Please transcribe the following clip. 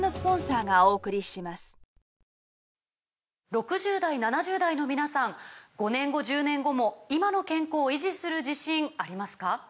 ６０代７０代の皆さん５年後１０年後も今の健康維持する自信ありますか？